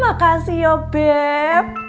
makasih yoh beb